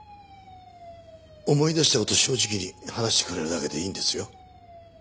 思い出した事を正直に話してくれるだけでいいんですよ。